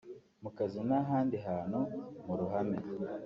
mu kazi n’ahandi hantu mu ruhame